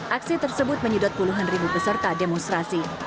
aksi tersebut menyedot puluhan ribu peserta demonstrasi